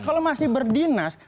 kalau masih berdinas